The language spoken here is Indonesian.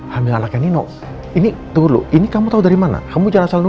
hamil anaknya nino ini tunggu dulu ini kamu tahu dari mana kamu jangan selalu ya